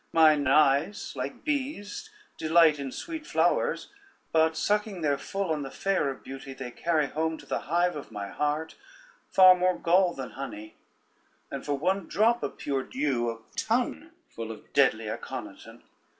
Mine eyes like bees delight in sweet flowers, but sucking their full on the fair of beauty, they carry home to the hive of my heart far more gall than honey, and for one drop of pure dew, a ton full of deadly Aconiton.